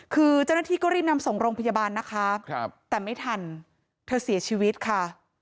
คือเจ้าหน้าที่ก็รีบนำส่งโรงพยาบาลนะคะแต่ไม่ทันเธอเสียชีวิตค่ะ